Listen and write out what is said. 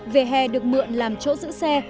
về hè được mượn làm chỗ giữ xe